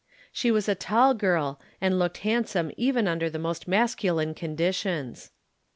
She was a tall girl, and looked handsome even under the most masculine conditions.